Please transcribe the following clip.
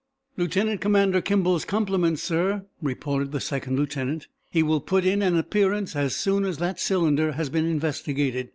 "Lieutenant Commander Kimball's compliments, sir," reported the second lieutenant. "He will put in an appearance as soon as that cylinder has been investigated.